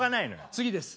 次です。